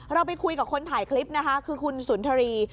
เราไปคุยกับคนถ่ายคลิปนะคะคือคุณสุนทรี